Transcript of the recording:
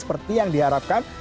seperti yang diharapkan